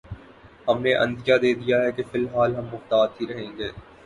ہم نے عندیہ دے دیا ہے کہ فی الحال ہم محتاط ہی رہیں گے۔